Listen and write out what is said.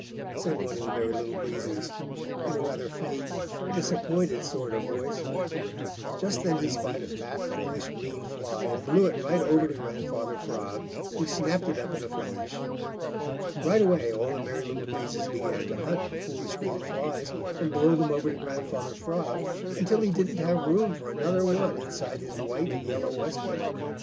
said one of the Merry Little Breezes, in a rather faint, disappointed sort of voice. Just then he spied a fat, foolish, green fly and blew it right over to Grandfather Frog, who snapped it up in a flash. Right away all the Merry Little Breezes began to hunt for foolish green flies and blow them over to Grandfather Frog, until he didn't have room for another one inside his white and yellow waistcoat.